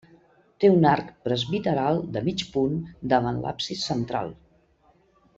Té un arc presbiteral de mig punt davant l'absis central.